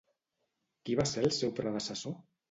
Qui va ser el seu predecessor?